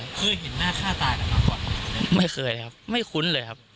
เคยเห็นหน้าฆ่าตายกันมาก่อนไม่เคยครับไม่คุ้นเลยครับ